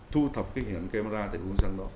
thu thập cái hình ảnh giá trị